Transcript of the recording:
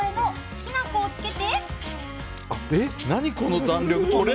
きな粉をつけて。